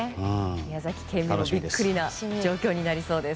宮崎県民もビックリな状況になりそうです。